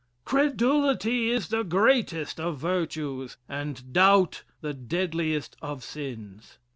Credulity is the greatest of virtues, and doubt the deadliest of sins.